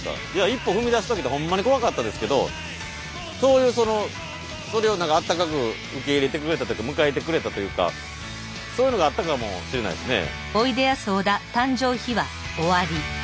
一歩踏み出すときってほんまに怖かったですけどとはいえそれを何かあったかく受け入れてくれたというか迎えてくれたというかそういうのがあったかもしれないですね。